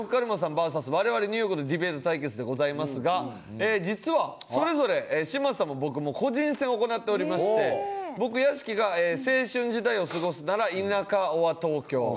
ＶＳ我々ニューヨークのディベート対決でございますが実はそれぞれ嶋佐も僕も個人戦を行っておりまして僕屋敷が「青春時代を過ごすなら田舎ｏｒ東京」。